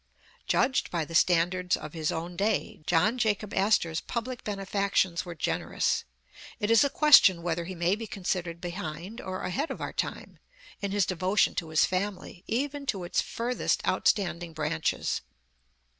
Judged by the standards of his own day, John Jacob Astor's public benefactions were generous. It is a question whether he may be considered behind or ahead of our time, in his devotion to his family, even to its furthest outstanding branches.